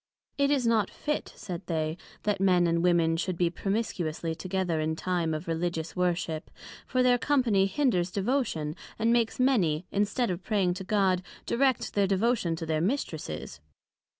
It is not fit, said they, that Men and Women should be promiscuously together in time of Religious Worship; for their company hinders Devotion, and makes many, instead of praying to God, direct their Devotion to their Mistresses.